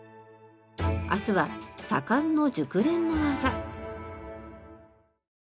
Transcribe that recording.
明日は左官の熟練の技。